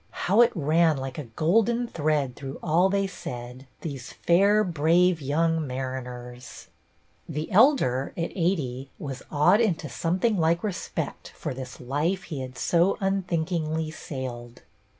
How it ran like a golden thread through all they said, these fair, brave young mariners ! The Elder, at eighty, was awed into some thing like respect for this " Life " he had so unthinkingly sailed.